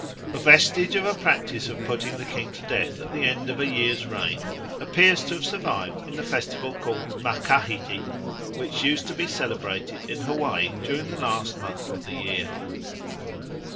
A vestige of a practice of putting the king to death at the end of a year's reign appears to have survived in the festival called Macahity, which used to be celebrated in Hawaii during the last month of the year.